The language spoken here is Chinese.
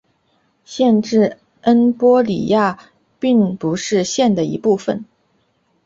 县治恩波里亚并不是县的一部分。